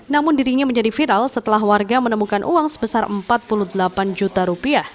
namun dirinya menjadi viral setelah warga menemukan uang sebesar rp empat puluh delapan juta rupiah